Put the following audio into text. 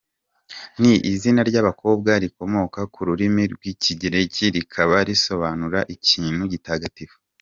Ni izina ry’abakobwa rikomoka ku rurimi rw’Ikigereki rikaba risobanura “Ikintu gitagatifu”.